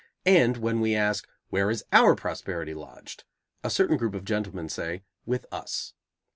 And when we ask, "Where is our prosperity lodged?" a certain group of gentlemen say, "With us."